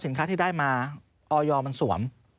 สินค้าที่ได้มาออยมันสวม